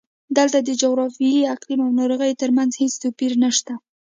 دلته د جغرافیې، اقلیم او ناروغیو ترمنځ هېڅ توپیر نشته.